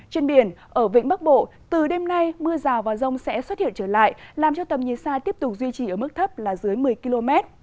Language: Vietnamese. trên biển ở vĩnh bắc bộ từ đêm nay mưa rào và rông sẽ xuất hiện trở lại làm cho tầm nhìn xa tiếp tục duy trì ở mức thấp là dưới một mươi km